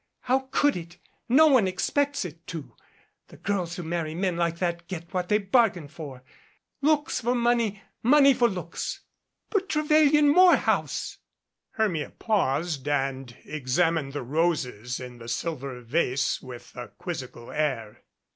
How could it? No one expects it to. The girls who marry men like that get what they bar gain for looks for money money for looks " "But Trevelyan Morehouse!" Hermia paused and examined the roses in the silver vase with a quizzical air.